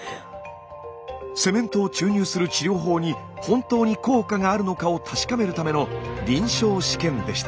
セメントを注入する治療法に本当に効果があるのかを確かめるための臨床試験でした。